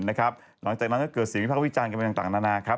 หลังจากนั้นก็เกิดเสียงพิพาคอุโภิกาลกันมาต่างนานา